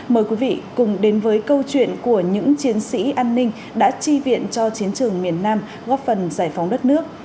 mời quý vị cùng đến với câu chuyện của những chiến sĩ an ninh đã chi viện cho chiến trường miền nam góp phần giải phóng đất nước